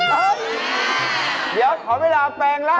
เออเดี๋ยวขอเวลาแปลงร่างแค่